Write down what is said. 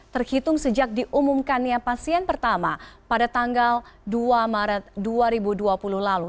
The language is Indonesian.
terhitung sejak diumumkannya pasien pertama pada tanggal dua maret dua ribu dua puluh lalu